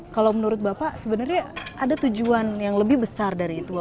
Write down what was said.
kalau menurut bapak sebenarnya ada tujuan yang lebih besar dari itu